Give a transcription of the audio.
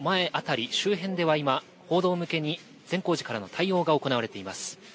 その台の前あたり周辺では報道陣向けに善光寺からの対応が行われています。